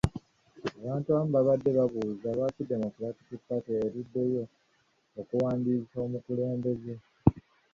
Abantu abamu babadde babuuza lwaki Democratic Party eruddeyo okuwandiisa omukulembeze.